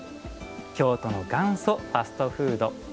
京都の「元祖ファストフード」。